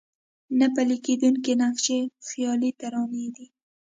نه پلي کېدونکي نقشې خيالي ترانې دي.